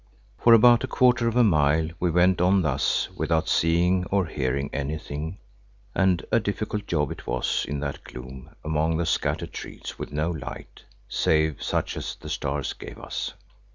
For about a quarter of a mile we went on thus without seeing or hearing anything, and a difficult job it was in that gloom among the scattered trees with no light save such as the stars gave us.